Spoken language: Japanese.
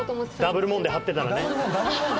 ダブルモンで張ってたら。